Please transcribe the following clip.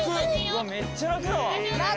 めっちゃ楽だわ。